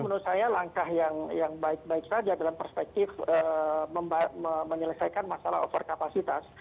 menurut saya langkah yang baik baik saja dalam perspektif menyelesaikan masalah over kapasitas